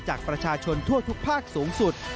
จากประชาชนทั่วทุกภาคสูงสุด